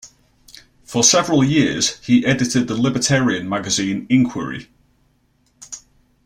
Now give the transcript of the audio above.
For several years he edited the libertarian magazine "Inquiry".